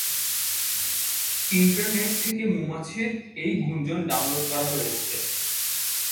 Internet থেকে মৌমাছির এই গুঞ্জন ডাউনলোড করা হয়েছে।